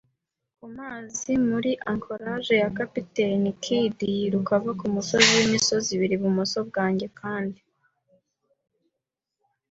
kumazi muri Anchorage ya Kapiteni Kidd yiruka ava kumusozi wimisozi ibiri ibumoso bwanjye, kandi